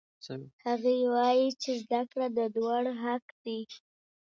هغې وایي چې زده کړه د دواړو حق دی.